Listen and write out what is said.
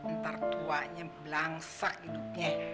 ntar tuanya belangsak hidupnya